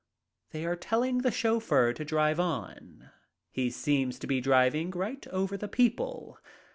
They are telling the chauffeur to drive on. He seems to be driving right over the people.